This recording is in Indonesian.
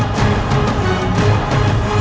atau tentang kakaknya